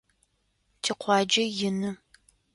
Тикъуаджэ ины.